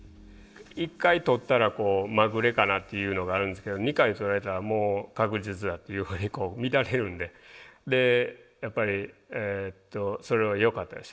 １回取ったらまぐれかなっていうのがあるんですけど２回取れたらもう確実だっていうふうに見られるんでやっぱりそれはよかったです。